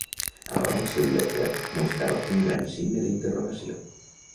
Alhora, el seu lloc web mostrava un gran signe d'interrogació.